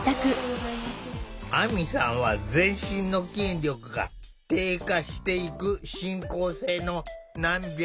あみさんは全身の筋力が低下していく進行性の難病。